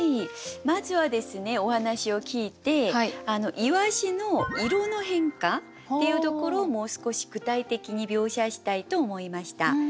まずはですねお話を聞いて鰯の色の変化っていうところをもう少し具体的に描写したいと思いました。